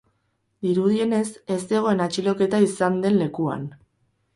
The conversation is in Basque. Dirudienez, ez zegoen atxiloketa izan den lekuan.